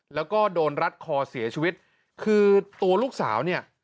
แล้วก็โดนรัดคอเสียชีวิตคือตัวลูกสาวเนี่ย